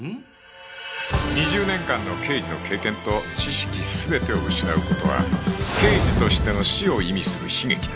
２０年間の刑事の経験と知識全てを失う事は刑事としての死を意味する悲劇だ